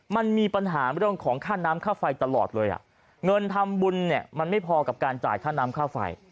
มันไม่พอกับจ่ายค่าน้ำค่าไฟ